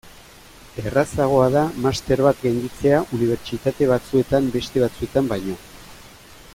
Errazagoa da master bat gainditzea unibertsitate batzuetan beste batzuetan baino.